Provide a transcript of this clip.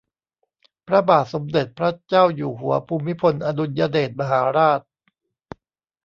พระบาทสมเด็จพระเจ้าอยู่หัวภูมิพลอดุลยเดชมหาราช